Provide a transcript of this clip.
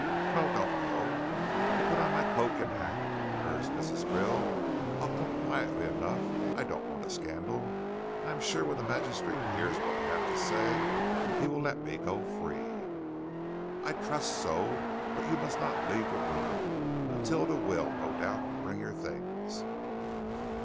"No, don't go!" "To put on my cloak and hat?" urged Mrs. Krill. "I'll come quietly enough. I don't want a scandal. I am sure when the magistrate hears what I have to say he will let me go free." "I trust so. But you must not leave the room. Matilda will, no doubt, bring your things."